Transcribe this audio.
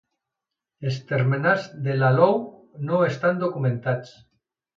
Els termenals de l'alou no estan documentats.